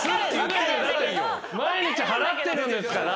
毎日払ってるんですから。